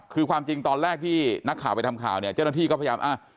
คือความจริงตอนแรกที่นักข่าวไปทำข่าวเนี่ยเจ้าหน้าที่ก็พยายามอ่ะ